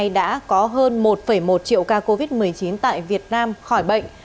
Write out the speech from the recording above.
đã có hơn một một triệu ca covid một mươi chín tại việt nam khỏi bệnh